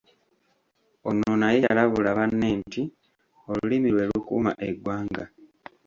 Ono naye yalabula banne nti: Olulimi lwe lukuuma eggwanga.